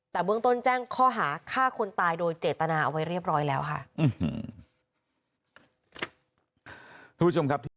แต่เบื้องต้นแจ้งข้อหาฆ่าคนตายโดยเจตนาเอาไว้เรียบร้อยแล้วค่ะ